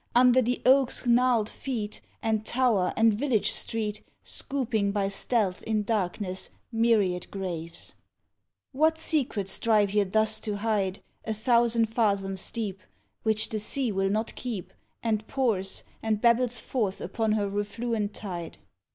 Under the oak's gnarled feet, And tower, and village street, Scooping by stealth in darkness myriad graves; What secret strive ye thus to hide, A thousand fathoms deep, Which the sea will not keep, And pours, and babbles forth upon her refluent tide?